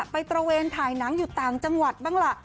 ตระเวนถ่ายหนังอยู่ต่างจังหวัดบ้างล่ะ